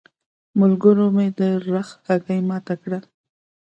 ملګرو مې د رخ هګۍ ماته کړه.